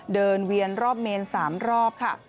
เดินเวียนรอบเมนสามรอบค่ะ